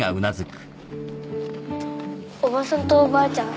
おばさんとおばあちゃん